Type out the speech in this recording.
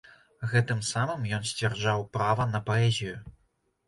Гэтым самым ён сцвярджаў права на паэзію.